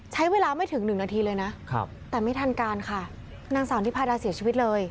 ใช้เวลาไม่ถึงหนึ่งนาทีเลยนะแต่ไม่ทันการค่ะนางสาวนิพาดาเสียชีวิตเลย